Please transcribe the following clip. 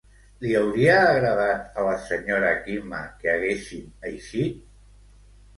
Li hauria agradat a la senyora Quima que haguessin eixit?